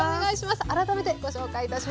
改めてご紹介いたします。